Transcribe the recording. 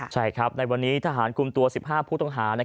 ใช่ครับในวันนี้ทหารกลุ่มตัว๑๕ผู้ต้องหา